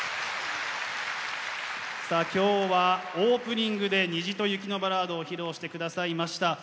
さあ今日はオープニングで「虹と雪のバラード」を披露して下さいました。